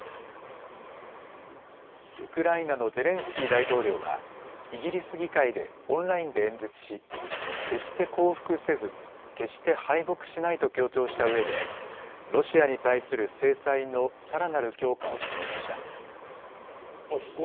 ウクライナのゼレンスキー大統領はイギリス議会でオンラインで演説し、決して降伏せず決して敗北しないと強調したうえでロシアに対する制裁のさらなる強化を求めました。